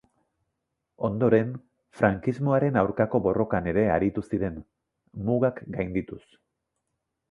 Ondoren, frankismoaren aurkako borrokan ere aritu ziren, mugak gaindituz.